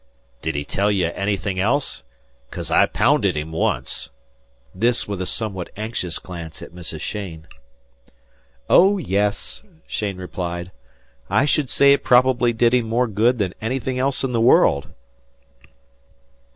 "Did he tell ye anything else? 'Cause I pounded him once." This with a somewhat anxious glance at Mrs. Cheyne. "Oh, yes," Cheyne replied. "I should say it probably did him more good than anything else in the world."